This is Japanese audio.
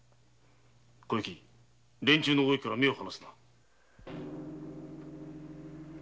小雪連中の動きから目を離すな。